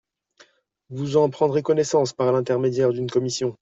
Vous en prendrez connaissance par l'intermédiaire d'une commission.